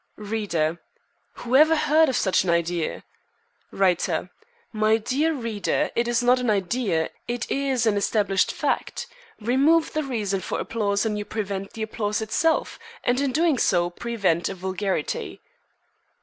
"Reader: Whoever heard of such an idea?" "Writer: My dear Reader, it is not an idea, it is an established fact. Remove the reason for applause and you prevent the applause itself, and in doing so, prevent a vulgarity."